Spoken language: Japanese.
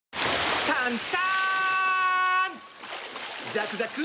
ザクザク！